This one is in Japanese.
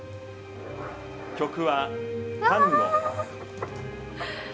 「曲はタンゴ」